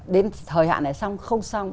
đến thời hạn này xong không xong